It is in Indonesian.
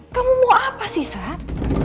kamu mau apa sih sat